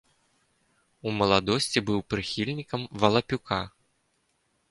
У маладосці быў прыхільнікам валапюка.